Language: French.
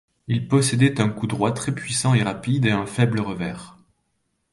Il possédait un coup droit très puissant et rapide et un faible revers.